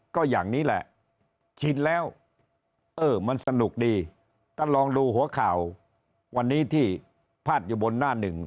ก็อย่างนี้แหละชินแล้วเออมันสนุกดีท่านลองดูหัวข่าววันนี้ที่พาดอยู่บนหน้าหนึ่ง